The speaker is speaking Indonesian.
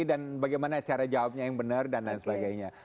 dan bagaimana cara jawabnya yang benar dan lain sebagainya